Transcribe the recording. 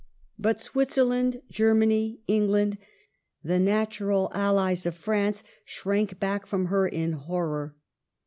But Switzerland, Germany, England, the nat ural allies of France, shrank back from her in horror.